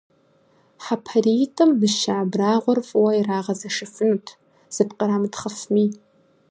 ХьэпариитӀым мыщэ абрагъуэр фӀыуэ ирагъэзэшыфынут, зэпкърамытхъыфми.